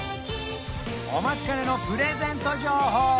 お待ちかねのプレゼント情報